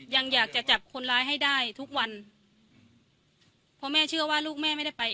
ยังอยากจะจับคนร้ายให้ได้ทุกวันเพราะแม่เชื่อว่าลูกแม่ไม่ได้ไป